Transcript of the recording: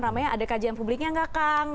namanya ada kajian publiknya nggak kang